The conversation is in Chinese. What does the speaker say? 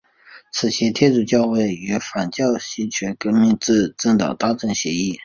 此前天主教会与反教权的革命制度党达成协议。